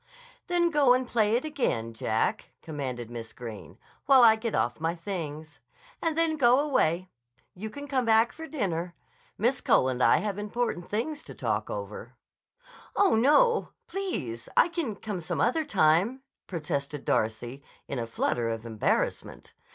"Then go and play it again, Jack," commanded Miss Greene, "while I get off my things. And then go away. You can come back for dinner. Miss Cole and I have important things to talk over." "Oh, no! Please! I can come some other time," protested Darcy in a flutter of embarrassment.